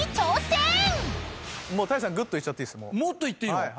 もっと行っていいの？